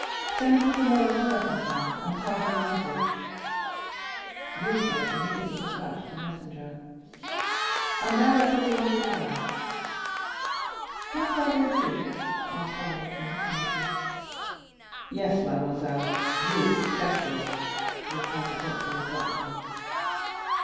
"Send for some oil of turpentine and tartar emetic." Villefort immediately despatched a messenger. "And now let everyone retire." "Must I go too?" asked Valentine timidly. "Yes, mademoiselle, you especially," replied the doctor abruptly.